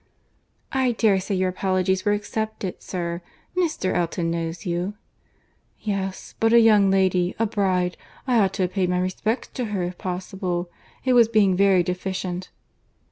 "I dare say your apologies were accepted, sir. Mr. Elton knows you." "Yes: but a young lady—a bride—I ought to have paid my respects to her if possible. It was being very deficient."